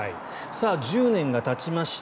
１０年がたちました。